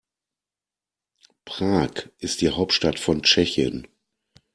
Prag ist die Hauptstadt von Tschechien.